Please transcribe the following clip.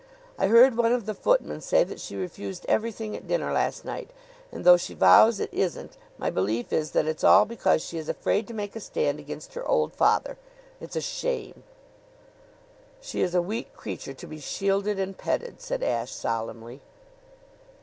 I heard one of the footmen say that she refused everything at dinner last night. And, though she vows it isn't, my belief is that it's all because she is afraid to make a stand against her old father. It's a shame!" "She is a weak creature, to be shielded and petted," said Ashe solemnly.